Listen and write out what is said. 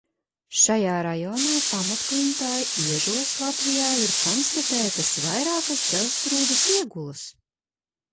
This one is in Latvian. Šajā rajonā pamatklintāja iežos Latvijā ir konstatētas vairākas dzelzsrūdas iegulas.